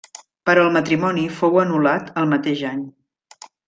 Però el matrimoni fou anul·lat el mateix any.